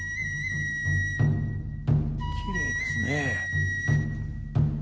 きれいですね。